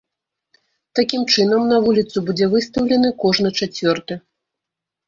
Такім чынам, на вуліцу будзе выстаўлены кожны чацвёрты.